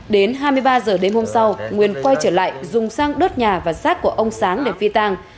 đến hai mươi ba h đêm hôm sau nguyên quay trở lại dùng sang đốt nhà và sát của ông sáng để phi tàng